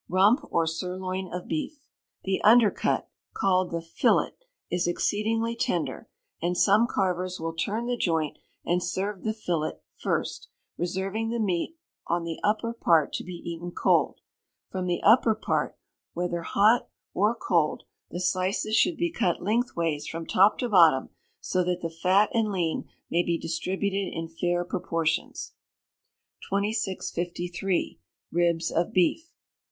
Rump or Sirloin of Beef. The undercut, called the "fillet," is exceedingly tender, and some carvers will turn the joint and serve the fillet first, reserving the meat on the upper part to be eaten cold. From the upper part, whether hot or cold, the slices should be cut lengthways from top to bottom, so that the fat and lean may be distributed in fair proportions. 2653. Ribs of Beef.